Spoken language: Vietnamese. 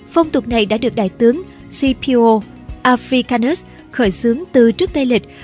phong tục này đã được đại tướng scipio africanus khởi xướng từ trước tây lịch